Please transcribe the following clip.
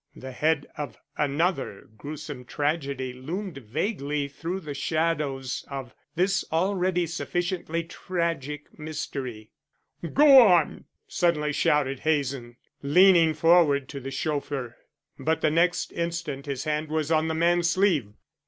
The head of another gruesome tragedy loomed vaguely through the shadows of this already sufficiently tragic mystery. "Go on!" suddenly shouted Hazen, leaning forward to the chauffeur. But the next instant his hand was on the man's sleeve.